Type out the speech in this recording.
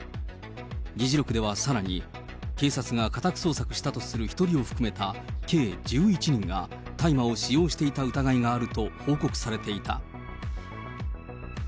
議事録ではさらに、警察が家宅捜索したとする１人を含めた計１１人が、大麻を使用していた疑いがあると報告されていた。